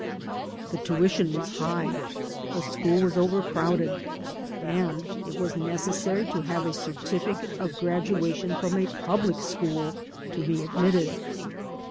The tuition was high, the school was overcrowded, and it was necessary to have a certificate of graduation from a public school to be admitted.